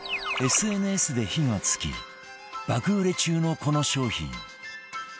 ＳＮＳ で火が付き爆売れ中のこの商品